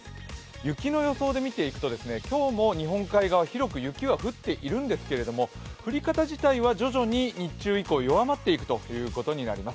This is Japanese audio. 雪の予想で見ていくと、今日も日本海側、広く雪は降っているんですけれども降り方自体は徐々に日中以降弱まっていくことになります。